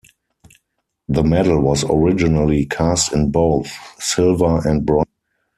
The medal was originally cast in both silver and bronze.